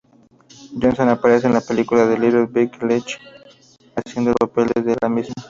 Johnson aparece en la película Little Big League haciendo el papel de sí mismo.